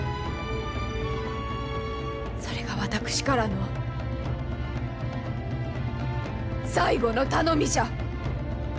それが私からの最後の頼みじゃ。